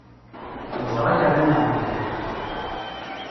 Neẓra yerna nɛemmed!